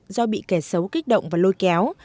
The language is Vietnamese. do bị kẻ xấu kích động và lôi kéo